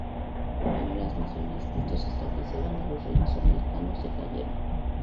Por ello las misiones que estos establecieron en los reinos americanos decayeron.